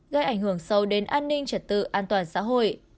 gây ảnh hưởng sâu đến an ninh trật tự an toàn xã hội